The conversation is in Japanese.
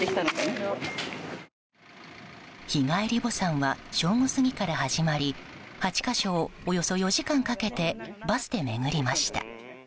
日帰り墓参は正午過ぎから始まり８か所をおよそ４時間かけてバスで巡りました。